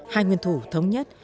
hai nguyên thủ thống nhất